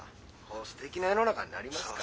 すてきな世の中になりますから」。